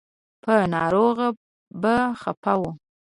په ناروغ به خفه و.